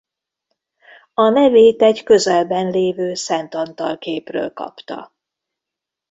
A nevét egy közelben lévő Szent Antal-képről kapta.